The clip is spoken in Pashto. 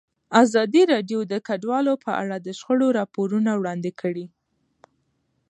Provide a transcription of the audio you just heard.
ازادي راډیو د کډوال په اړه د شخړو راپورونه وړاندې کړي.